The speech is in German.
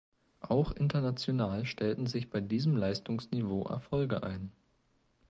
Auch international stellten sich bei diesem Leistungsniveau Erfolge ein.